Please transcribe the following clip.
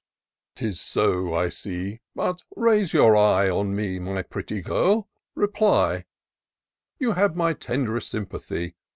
'Tis so, I see ; but raise your eye 3 On me, my pretty girl, rely : You have my tend'rest sympathy.